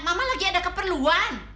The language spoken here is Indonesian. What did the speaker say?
mama lagi ada keperluan